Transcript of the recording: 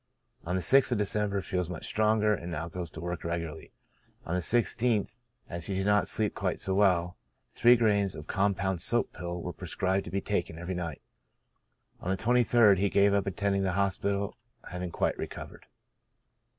On the 6th of December feels much stronger, and now goes to work regularly. On the 1 6th, as he did not sleep quite so well, three grains of compound soap pill were prescribed to be taken every night. On the 23d he gave up attending the hospital, having quite recovered.